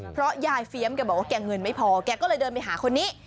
เพราะยายเฟียมแกบอกว่าแกเงินไม่พอแกก็เลยเดินไปหาคนนี้